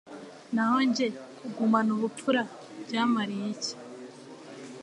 Naho jye kugumana ubupfura byamariye iki